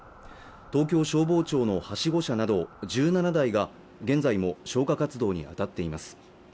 東京消防庁のはしご車など１７台が現在も消火活動にあたっています